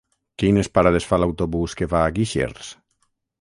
Quines parades fa l'autobús que va a Guixers?